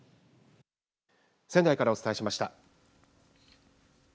仙台からお伝えしました。